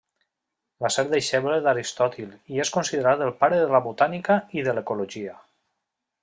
Va ser deixeble d'Aristòtil i és considerat el pare de la botànica i de l'ecologia.